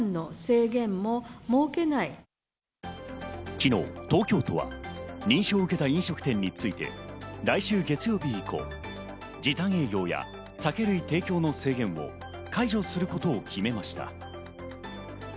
昨日、東京都は認証を受けた飲食店について来週月曜日以降、時短営業や酒類提供の制限を解除することを決めました。